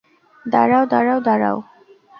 দাঁড়াও, দাঁড়াও, দাঁড়াও।